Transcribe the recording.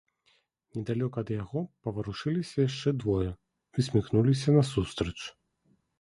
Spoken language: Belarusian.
Недалёка ад яго паварушыліся яшчэ двое, усміхнуліся насустрач.